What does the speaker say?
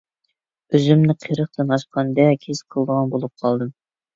ئۆزۈمنى قىرىقتىن ئاشقاندەك ھېس قىلىدىغان بولۇپ قالدىم.